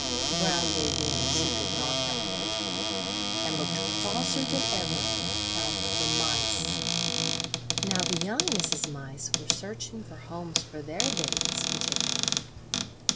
Brown gave in, as she could not help it, and looked crosser than ever on account of the mice. Now the young Mrs. Mice were searching for homes for their babies, which had come.